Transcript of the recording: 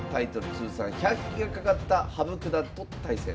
通算１００期がかかった羽生九段と対戦。